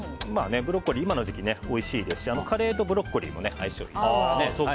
ブロッコリーは今の時期おいしいですしカレーとブロッコリーの相性はいいので。